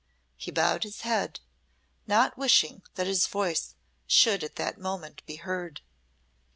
He bowed his head, not wishing that his voice should at that moment be heard.